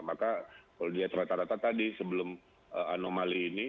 maka kalau dia rata rata tadi sebelum anomali ini